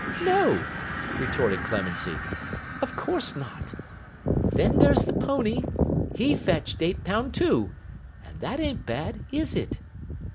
'No,' retorted Clemency. 'Of course not. Then there's the pony—he fetched eight pound two; and that an't bad, is it?